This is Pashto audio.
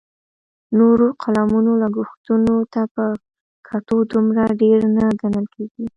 نورو فلمونو لګښتونو ته په کتو دومره ډېر نه ګڼل کېږي